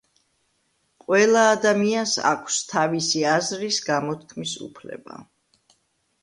ყველა ადამიანს აქვს თავისი აზრის გამოთქმის უფლება